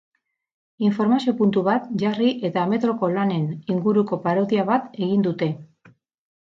Informazio puntu bat jarri eta metroko lanen inguruko parodia bat egin dute.